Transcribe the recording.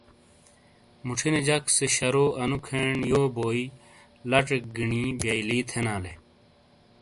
موچھینے جک سے شرو انو کھین یو بوئی لـچیک گینی بیئلی تھینالے۔